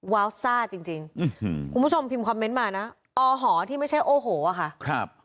ว้าวซ่าจริงคุณผู้ชมพิมพ์คอมเม้นต์มานะอหที่ไม่ใช่โอโหอ่ะค่ะ